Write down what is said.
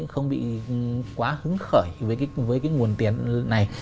không bị quá hứng khởi với cái nguồn tiền này